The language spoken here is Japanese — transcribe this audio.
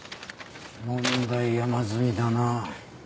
問題山積みだな。